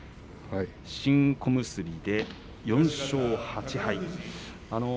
新小結で４勝８敗。